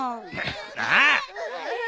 ああ！